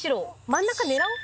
真ん中狙おう。